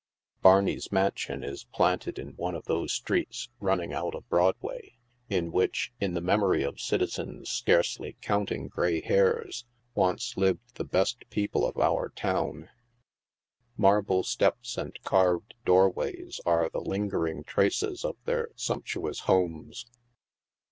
Barney's mansion i3 planted in one SATURDAY NIGHT AT A PAWNBROKER'S. 13 of those streets running out of Broadway, in which, in the mem ory of citizens scarcely counting grey hairs, once lived the best people of our town. Marble steps and carved doorways are the lingering traces of their sumptuous homes.